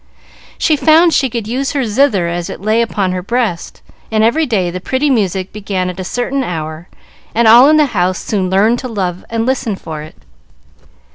She found she could use her zither as it lay upon her breast, and every day the pretty music began at a certain hour, and all in the house soon learned to love and listen for it.